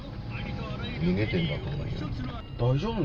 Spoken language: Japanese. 逃げてんだと思うよ。